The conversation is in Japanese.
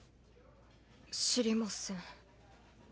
知りません。